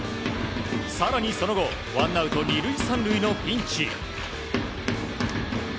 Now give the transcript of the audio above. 更にその後ワンアウト２塁３塁のピンチ。